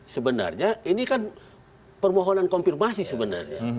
sebenarnya ini kan permohonan konfirmasi sebenarnya